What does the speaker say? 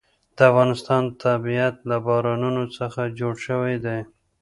د افغانستان طبیعت له بارانونو څخه جوړ شوی دی.